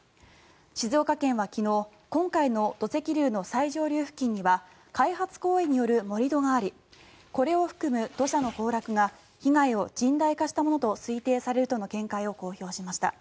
静岡県は昨日今回の土石流の最上流付近には開発行為による盛り土がありこれを含む土砂の崩落が被害を甚大化したものと推定されるとの見解を公表しました。